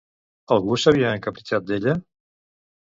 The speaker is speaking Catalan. Algú s'havia encapritxat d'ella?